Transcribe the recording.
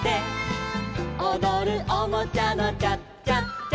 「おどるおもちゃのチャチャチャ」